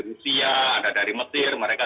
rusia ada dari mesir mereka